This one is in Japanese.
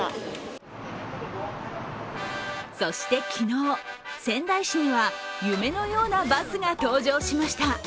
そして昨日、仙台市には夢のようなバスが登場しました。